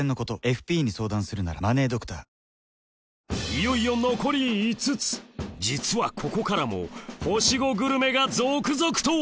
いよいよ残り５つ実はここからも星５グルメが続々と！